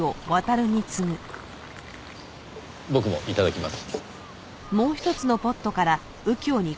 僕も頂きます。